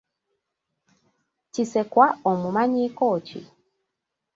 Kisekwa omumanyiiko ki?